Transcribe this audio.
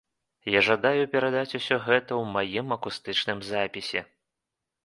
Я жадаю перадаць усё гэта ў маім акустычным запісе.